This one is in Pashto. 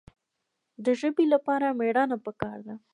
د ژبې لپاره مېړانه پکار ده.